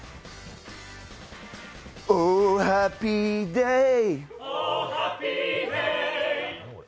オーハッピーデイ。